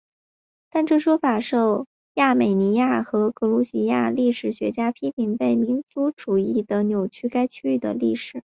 但这说法受亚美尼亚和格鲁吉亚历史学家批评为被民族主义的扭曲该区域的历史。